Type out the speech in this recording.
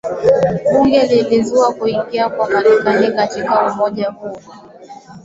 bunge lilizuia kuingia kwa Marekani katika umoja huo